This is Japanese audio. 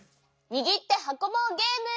にぎってはこぼうゲーム！